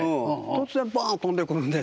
突然バン飛んでくるんですよね。